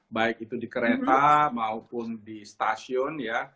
baik itu di kereta maupun di stasiun ya